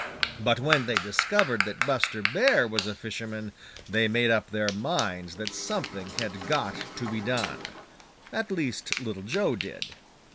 But when they discovered that Buster Bear was a fisherman, they made up their minds that something had got to be done. At least, Little Joe did.